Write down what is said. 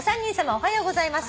おはようございます。